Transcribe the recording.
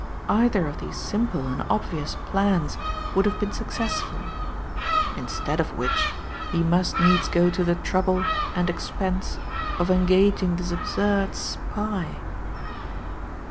Either of these simple and obvious plans would have been successful; instead of which, he must needs go to the trouble and expense of engaging this absurd spy."